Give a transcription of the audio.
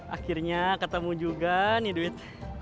akhirnya ketemu juga nih duit